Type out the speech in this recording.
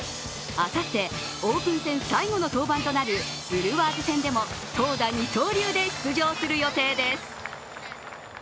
あさってオープン戦最後の登板となるブルワーズ戦でも投打二刀流で出場する予定です。